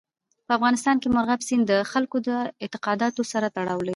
په افغانستان کې مورغاب سیند د خلکو د اعتقاداتو سره تړاو لري.